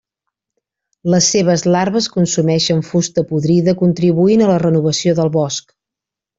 Les seves larves consumeixen fusta podrida contribuint a la renovació del bosc.